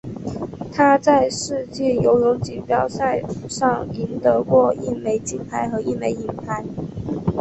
他在世界游泳锦标赛上赢得过一枚金牌和一枚银牌。